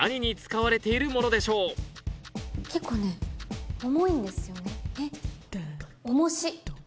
結構ね重いんですよね。